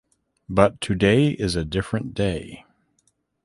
But today is a different day.